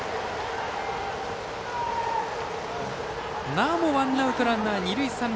なおもワンアウト、ランナー二塁三塁。